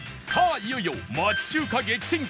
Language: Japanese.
いよいよ町中華激戦区